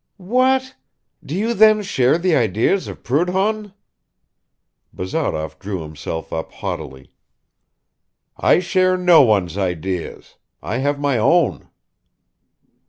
"What? Do you then share the ideas of Proudhon?" Bazarov drew himself up haughtily. "I share no one's ideas; I have my own."